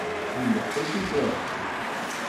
Ileḥḥu tifiṛeqsi.